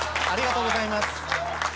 ありがとうございます。